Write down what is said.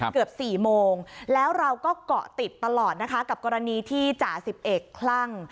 เกือบ๔โมงแล้วเราก็เกาะติดตลอดนะคะกับกรณีที่จ่าสิบเอกคลั่ง